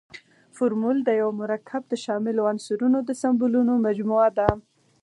فورمول د یوه مرکب د شاملو عنصرونو د سمبولونو مجموعه ده.